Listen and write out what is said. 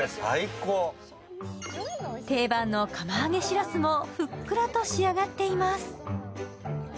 定番の釜揚げしらすもふっくらと仕上がっています。